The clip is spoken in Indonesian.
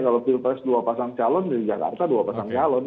kalau pilpres dua pasang calon dari jakarta dua pasang calon